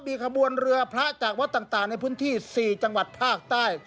มีขบวนเรือพระจากวัดต่างในพื้นที่๔จังหวัดภาคใต้